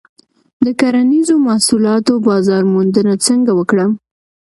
د کرنیزو محصولاتو بازار موندنه څنګه وکړم؟